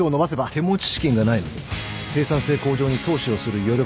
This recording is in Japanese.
手持ち資金がないのに生産性向上に投資をする余力はない。